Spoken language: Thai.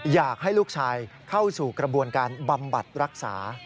อยากให้ลูกชายเข้าสู่กระบวนการบำบัดรักษา